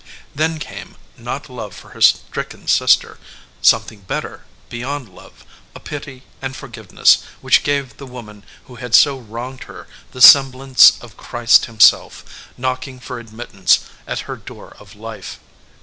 Then came, not love for her stricken sister, something better beyond love, a pity and forgive ness which gave the woman who had so wronged her the semblance of Christ Himself, knocking for admittance at her door of life.